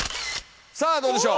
さあどうでしょう。